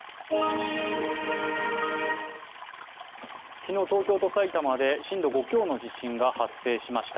昨日、東京と埼玉で震度５強の地震が発生しました。